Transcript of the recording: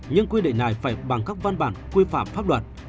nhưng quy định này phải bằng các văn bản quy phạm pháp luật